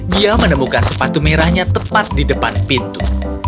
dia menemukan sepatu merahnya tepat di depan pintu